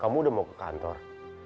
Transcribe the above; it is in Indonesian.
kamu udah mau ke kantor